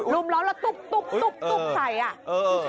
ลุมล้อมแล้วตุ๊กใส่อ่ะ